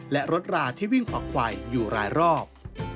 และรถราที่วิ่งขวากควายอยู่หลายรอบ